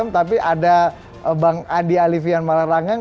tapi ada bang andi alivian malerangeng